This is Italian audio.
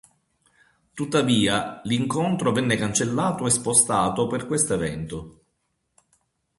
Tuttavia, l'incontro venne cancellato e spostato per questo evento.